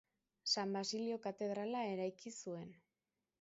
San Basilio katedrala eraiki zuen.